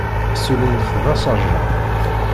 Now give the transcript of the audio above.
Ssulin-t d asarjan.